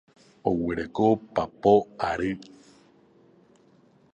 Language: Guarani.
Oguereko papo ary.